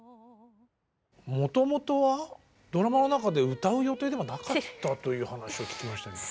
もともとはドラマの中で歌う予定ではなかったという話を聞きましたけど。